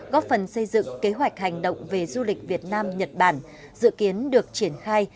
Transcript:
góp phần xây dựng kế hoạch hành động về du lịch việt nam nhật bản dự kiến được triển khai